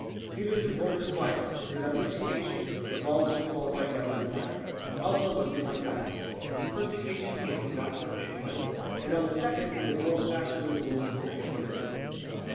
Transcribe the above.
Peters had bowled her twice, but on each occasion the ball was disqualified by the umpire. Elsa was the umpire. On the first occasion he had forgotten to say play, and on the second he had bowled faster than the rules of cricket permitted.